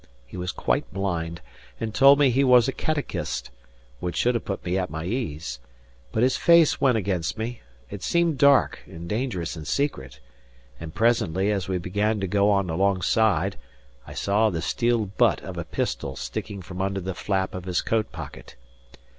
He was quite blind, and told me he was a catechist, which should have put me at my ease. But his face went against me; it seemed dark and dangerous and secret; and presently, as we began to go on alongside, I saw the steel butt of a pistol sticking from under the flap of his coat pocket.